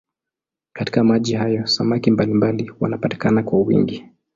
Katika maji hayo samaki mbalimbali wanapatikana kwa wingi.